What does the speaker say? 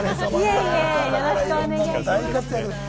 よろしくお願いします。